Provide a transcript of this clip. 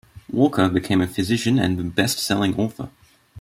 Walker became a physician and a best-selling author.